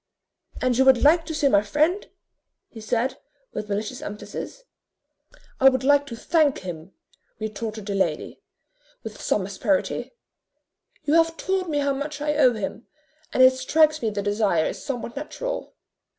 "And you would like to see my friend?" he said, with malicious emphasis. "I would like to thank him," retorted the lady, with some asperity: "you have told me how much I owe him, and it strikes me the desire is somewhat natural."